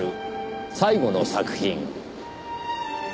最後の作品。